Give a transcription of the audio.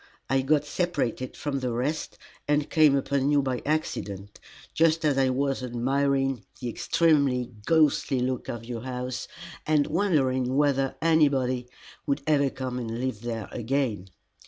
I got separated from the rest, and came upon you by accident, just as I was admiring the extremely ghostly look of your house, and wondering whether anybody would ever come and live there again.